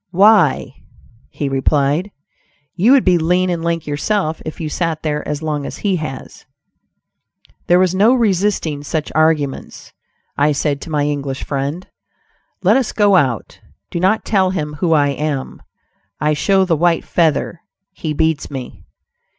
"Why," he replied, "you would be lean and lank yourself if you sat there as long as he has." There was no resisting such arguments. I said to my English friend, "Let us go out; do not tell him who I am; I show the white feather; he beats me."